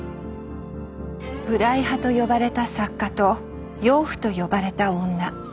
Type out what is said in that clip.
「無頼派」と呼ばれた作家と「妖婦」と呼ばれた女。